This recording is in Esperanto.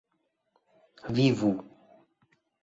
vivu